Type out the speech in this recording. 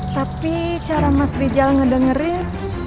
tapi cara mas rijal ngedengerin